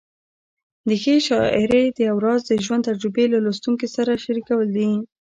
د ښې شاعرۍ یو راز د ژوند تجربې له لوستونکي سره شریکول دي.